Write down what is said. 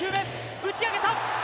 打ち上げた。